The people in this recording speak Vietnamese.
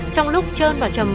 trong lúc trơn và trầm